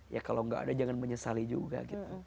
ya kalau gak ada jangan menyesali juga